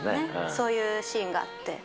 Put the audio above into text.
そういうシーンがあって。